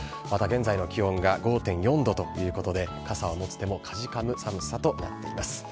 また現在の気温が５．４度ということで、傘を持つ手もかじかむ寒さとなっています。